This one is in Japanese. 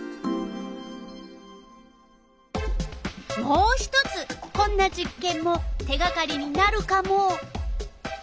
もう一つこんな実けんも手がかりになるカモ！